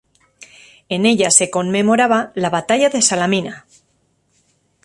En ella se conmemoraba la batalla de Salamina.